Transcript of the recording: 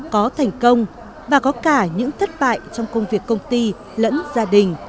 có thành công và có cả những thất bại trong công việc công ty lẫn gia đình